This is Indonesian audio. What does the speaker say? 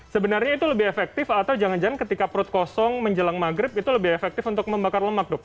sebenarnya itu lebih efektif atau jangan jangan ketika perut kosong menjelang maghrib itu lebih efektif untuk membakar lemak dok